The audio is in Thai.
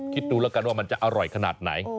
คิดดูแล้วกันว่ามันจะอร่อยขนาดไหน